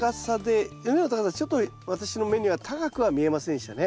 畝の高さちょっと私の目には高くは見えませんでしたね。